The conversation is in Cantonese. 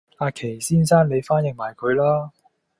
阿祁先生你翻譯埋佢啦